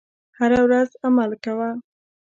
هره ورځ عمل کوه .